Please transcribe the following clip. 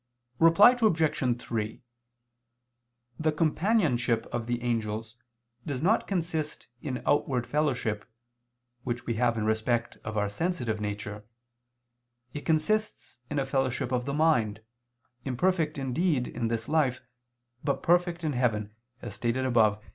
Reply Obj. 3: The companionship of the angels does not consist in outward fellowship, which we have in respect of our sensitive nature; it consists in a fellowship of the mind, imperfect indeed in this life, but perfect in heaven, as stated above (Q.